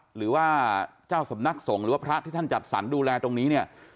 หรือว่าเจ้าสำนักสงฆ์หรือว่าพระที่ท่านจัดสรรดูแลตรงนี้เนี่ย